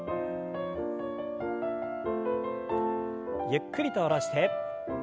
ゆっくりと下ろして。